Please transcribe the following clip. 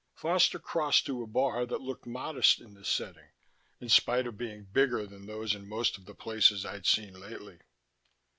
Foster crossed to a bar that looked modest in the setting, in spite of being bigger than those in most of the places I'd seen lately.